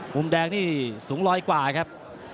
มุมแดงนี่สูงร้อยกว่าครับ